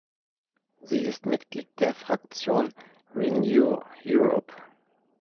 Sie ist Mitglied der Fraktion Renew Europe.